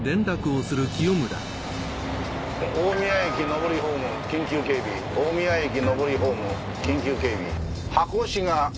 大宮駅上りホーム緊急警備大宮駅上りホーム緊急警備。